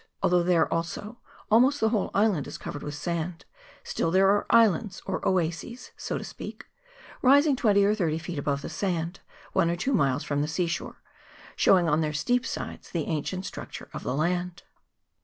Although there, also, almost the whole is covered with sand, still there are islands, or oases^, so to speak, rising twenty or thirty feet above the sand, one or two miles from the sea shore, showing on their steep sides the ancient structure of the land.